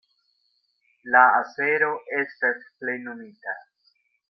La afero estas plenumita.